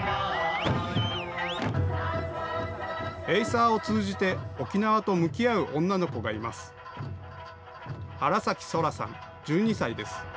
エイサーを通じて沖縄と向き合う女の子がいます。